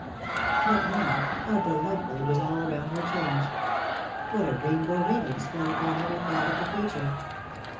But now, how delightfully was all around her changed ! What a rainbow radiance fell upon every thought of the future.